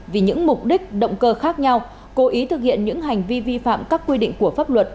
vì những mục đích động cơ khác nhau cố ý thực hiện những hành vi vi phạm các quy định của pháp luật